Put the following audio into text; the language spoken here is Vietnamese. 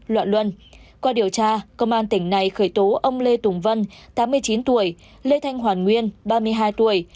loạn luân qua điều tra công an tỉnh này khởi tố ông lê tùng vân tám mươi chín tuổi lê thanh hoàn nguyên ba mươi hai tuổi